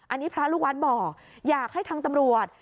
อันนี้พระลูกวัดบอกอยากให้ทางตำรวจ